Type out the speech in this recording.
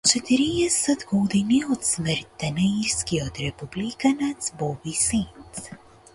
Четириесет години од смртта на ирскиот републиканец Боби Сендс